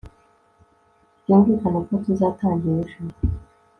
Byumvikane ko tuzatangira ejo